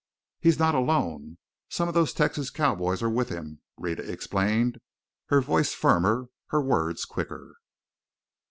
"He's not alone, some of those Texas cowboys are with him," Rhetta explained, her voice firmer, her words quicker.